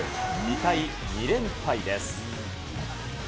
痛い２連敗です。